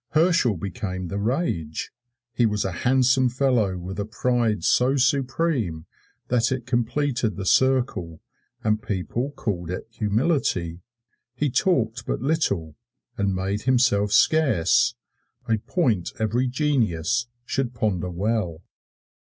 Herschel became the rage. He was a handsome fellow, with a pride so supreme that it completed the circle, and people called it humility. He talked but little, and made himself scarce a point every genius should ponder well.